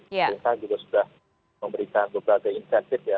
bisa juga sudah memberikan beberapa insentif ya